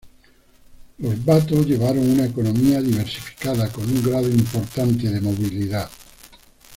Los bato llevaron una economía diversificada, con un grado importante de movilidad.